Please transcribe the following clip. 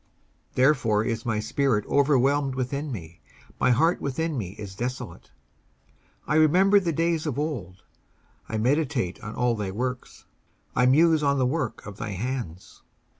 19:143:004 Therefore is my spirit overwhelmed within me; my heart within me is desolate. 19:143:005 I remember the days of old; I meditate on all thy works; I muse on the work of thy hands.